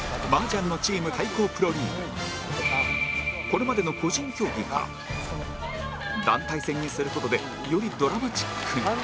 これまでの個人競技から団体戦にする事でよりドラマチックに